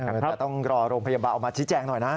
ก็ต้องรอโรงพยาบาลออกมาชี้แจงหน่อยนะ